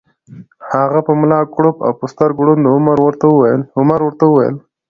هغه په ملا کړوپ او سترګو ړوند و، عمر ورته وویل: